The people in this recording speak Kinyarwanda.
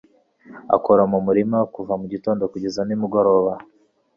Akora mu murima kuva mu gitondo kugeza nimugoroba